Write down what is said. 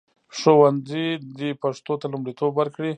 ښوونځي دې پښتو ته لومړیتوب ورکړي.